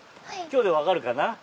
今日で分かるかな？